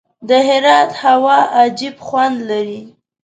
د هرات هوا عجیب خوند لري.